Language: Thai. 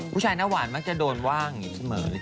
ผู้ชายหน้าหวานมักจะโดนว่างอย่างนี้เสมอ